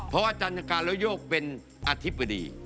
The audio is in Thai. เพราะว่าจันทร์การละโยกเป็นอธิบดี